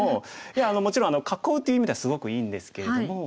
いやもちろん囲うという意味ではすごくいいんですけれども。